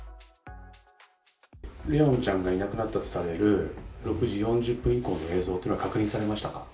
怜音ちゃんがいなくなったとされる６時４０分以降の映像は確認されましたか？